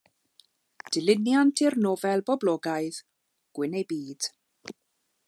Dilyniant i'r nofel boblogaidd, Gwyn eu Byd.